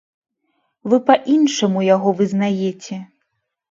Вы па-іншаму яго вызнаеце.